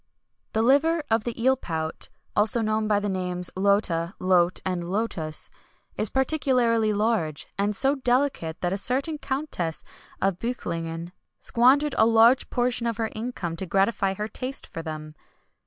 The liver of the eel pout (also known by the names, lota, lote, and lotus) is particularly large, and so delicate that a certain Countess of Beuchlingen squandered a large portion of her income to gratify her taste for them.